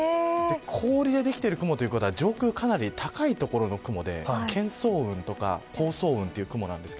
氷でできている雲ということは上空かなり高い所の雲で県層雲とか高層雲という雲です。